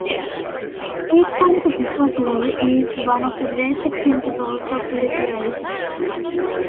Equality before the law is one of the basic principles of liberalism.